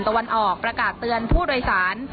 ตะวันออกประกาศเตือนผู้โดยสาร